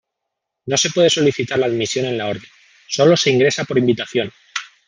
No se puede solicitar la admisión en la Orden; sólo se ingresa por invitación.